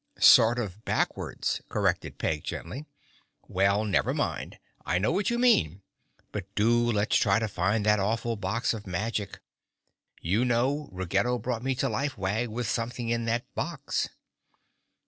"Sort of backwards," corrected Peg gently. "Well, never mind. I know what you mean. But do let's try to find that awful box of magic. You know Ruggedo brought me to life, Wag, with something in that box!"